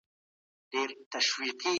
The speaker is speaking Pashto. نور هیوادونه لیدل انسان ته پوهه ورکوي.